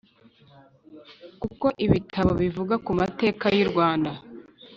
kuko ibitabo bivuga ku mateka y’u rwanda